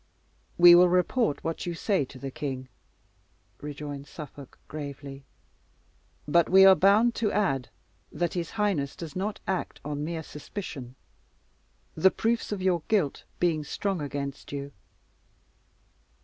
"We will report what you say to the king," rejoined Suffolk gravely; "but we are bound to add that his highness does not act on mere suspicion, the proofs of your guilt being strong against you."